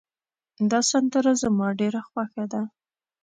دا سندره زما ډېره خوښه ده